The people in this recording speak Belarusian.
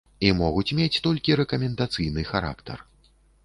І могуць мець толькі рэкамендацыйны характар.